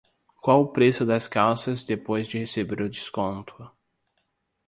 Qual o preço das calças depois de receber o desconto?